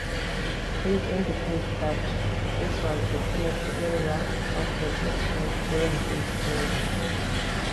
These indicate that this was the cemetery area of the settlement during these periods.